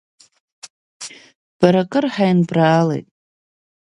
Бара акыр ҳаинбраалеит.